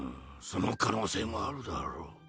その可能性もあるだろう。